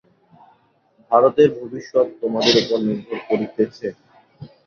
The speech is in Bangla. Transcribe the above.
ভারতের ভবিষ্যৎ তোমাদের উপর নির্ভর করিতেছে।